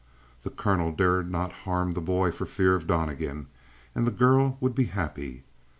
The colonel dared not harm the boy for fear of Donnegan; and the girl would be happy.